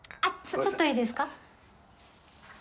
ちょっといいですか？